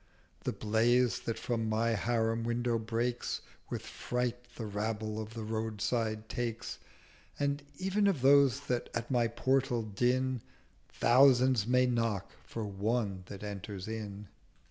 The Blaze that from my Harim window breaks With fright the Rabble of the Roadside takes; And ev'n of those that at my Portal din, Thousands may knock for one that enters in.'